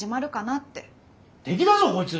敵だぞこいつ！